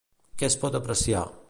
Què es pot apreciar?